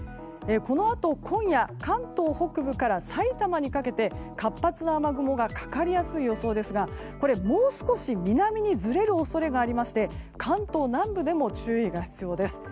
このあと今夜関東北部から埼玉にかけて活発な雨雲がかかりやすい予想ですがこれ、もう少し南にずれる恐れがありまして関東南部でも注意が必要です。